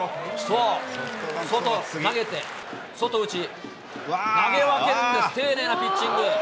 外、内、投げて外打ち、投げ分けるんです、丁寧なピッチング。